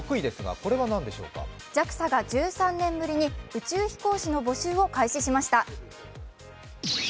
佐々木ＪＡＸＡが１３年ぶりに宇宙飛行士の募集を開始しました。